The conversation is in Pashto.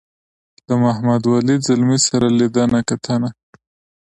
له محمد ولي ځلمي سره لیدنه کتنه.